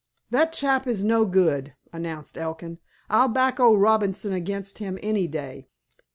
"That chap is no good," announced Elkin. "I'll back old Robinson against him any day."